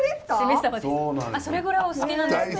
それぐらいお好きなんですね。